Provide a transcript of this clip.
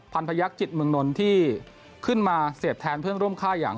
พันพยักษ์จิตเมืองนนท์ที่ขึ้นมาเสพแทนเพื่อนร่วมค่ายอย่าง